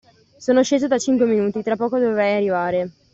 Sono sceso da cinque minuti, tra poco dovrei arrivare.